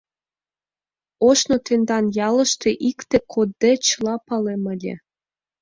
— Ожно тендан ялыште икте кодде чыла палем ыле.